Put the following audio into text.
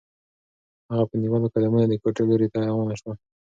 هغه په نیولو قدمونو د کوټې لوري ته روانه شوه.